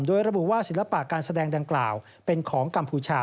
โดยระบุว่าศิลปะการแสดงดังกล่าวเป็นของกัมพูชา